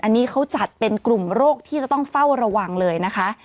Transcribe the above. อันนี้เขาจัดเป็นกลุ่มโรคที่จะต้องเฝ้าระวังเลยนะคะ